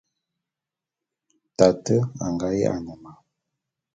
Tate a nga ya'ane ma.